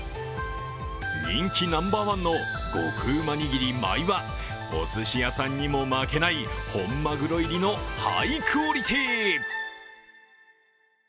人気ナンバーワンの極旨握り・舞はおすし屋さんにも負けない本マグロ入りのハイクオリティー。